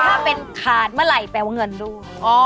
ถ้าเป็นขาดเมื่อไหร่แปลว่าเงินด้วย